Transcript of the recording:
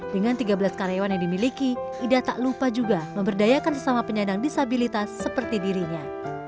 dengan tiga belas karyawan yang dimiliki ida tak lupa juga memberdayakan sesama penyandang disabilitas seperti dirinya